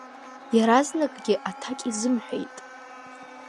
Иаразнакгьы аҭак изымҳәеит.